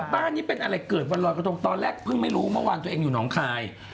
บ้านนี้เป็นอะไรเกิดวันรอยกระทงตอนแรกเพิ่งไม่รู้เมื่อวานตัวเองอยู่หนองคาย